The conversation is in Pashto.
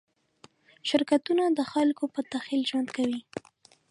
شرکتونه د خلکو په تخیل ژوند کوي.